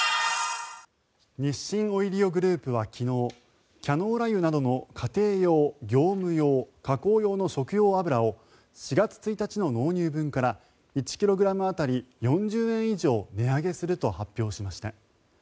日清オイリオグループは昨日キャノーラ油などの家庭用業務用、加工用の食用油を４月１日の納入分から１ｋｇ当たり４０円以上値上げすると発表しました。